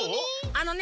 あのね